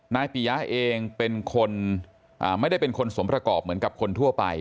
ปียะเองเป็นคนไม่ได้เป็นคนสมประกอบเหมือนกับคนทั่วไป